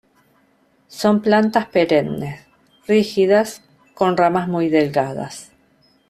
Son plantas perennes rígidas con ramas muy delgadas.